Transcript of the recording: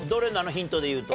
ヒントでいうと。